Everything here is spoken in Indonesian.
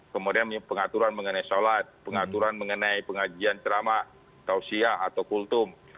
kemudian pengaturan mengenai sholat pengaturan mengenai pengajian ceramah tausiyah atau kultum